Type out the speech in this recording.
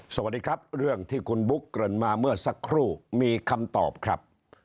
สวัสดีครับเรื่องที่คุณบุ๊คเกริ่นมาเมื่อสักครู่มีคำตอบครับ